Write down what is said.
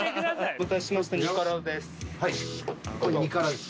お待たせしました２辛です